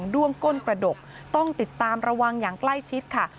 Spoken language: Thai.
ด้วงก้นกระดกต้องติดตามระวังอย่างใกล้ชิดค่ะ